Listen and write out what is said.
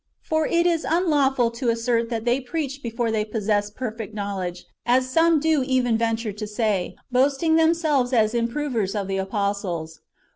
^ For it is unlawful to assert that they preached before they possessed " perfect knowledge," as some do even venture to say, boasting themselves as improvers of the apostles.